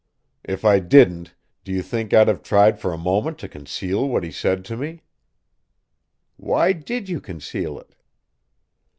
"If I didn't, do you think I'd have tried for a moment to conceal what he said to me?" "Why did you conceal it?"